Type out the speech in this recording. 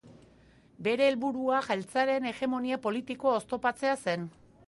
Bere helburua jeltzaleen hegemonia politikoa oztopatzea zen.